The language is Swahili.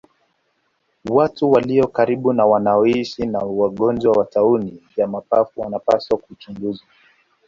Watu walio karibu au wanaoishi na wagonjwa wa tauni ya mapafu wanapaswa kuchunguzwa